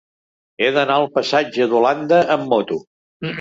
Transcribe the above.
He d'anar al passatge d'Holanda amb moto.